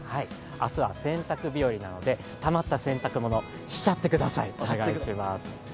明日は洗濯日和なのでたまった洗濯物しちゃってください、お願いします。